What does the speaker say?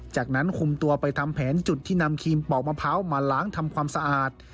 จากนั้นคุมตัวไปทำแผนจุดที่นำครีมปอกมะพร้าวมาล้างทำความสะอาด